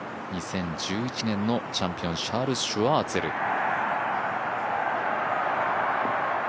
２０１１年のチャンピオンシャール・シュワーツェル。